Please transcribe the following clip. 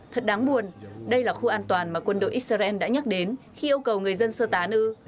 thật đáng buồn đây là khu an toàn mà quân đội israel đã nhắc đến khi yêu cầu người dân sơ tán ư